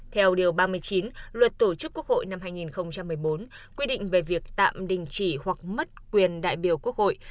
theo điều ba mươi chín luật tổ chức quốc hội năm hai nghìn một mươi bốn quy định về việc tạm đình chỉ hoặc mất quyền đại biểu quốc hội